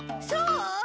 そう？